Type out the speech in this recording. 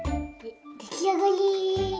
できあがり！